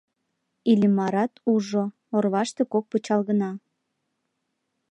Иллимарат ужо: орваште кок пычал гына.